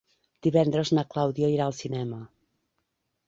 Divendres na Clàudia irà al cinema.